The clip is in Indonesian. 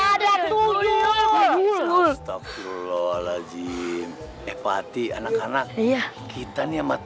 ada tuyul astagfirullahaladzim eh pati anak anak iya kita nih amat